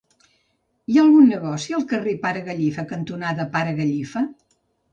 Hi ha algun negoci al carrer Pare Gallifa cantonada Pare Gallifa?